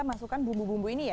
masukkan bumbu bumbu ini ya